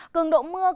cường độ mưa cũng tăng